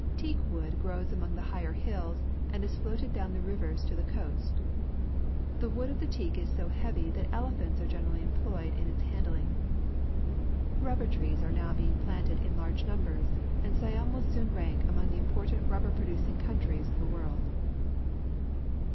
Teakwood grows among the higher hills and is floated down the rivers to the coast. The wood of the teak is so heavy that elephants are generalh' employed in its handling. Rubber trees are now being planted in large numbers, and Siam will soon rank among the important rubber producing countries of the world.